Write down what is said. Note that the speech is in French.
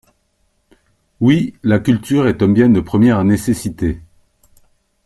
Oui, la culture est un bien de première nécessité.